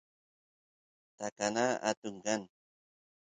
takana atun kan